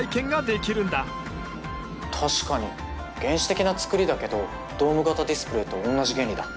確かに原始的なつくりだけどドーム型ディスプレーと同じ原理だ。